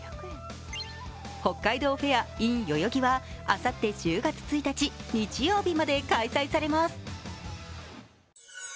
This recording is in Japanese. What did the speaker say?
北海道フェアｉｎ代々木はあさって１０月１日日曜日まで開催されます。